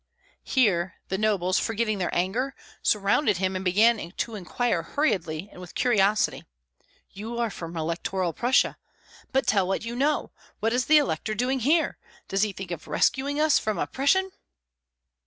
Here the nobles, forgetting their anger, surrounded him and began to inquire hurriedly and with curiosity, "You are from Electoral Prussia? But tell what you know! What is the elector doing there? Does he think of rescuing us from oppression?"